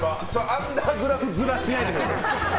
アンダーグラフ面しないでください。